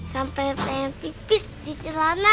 sampai pengen pipis di celana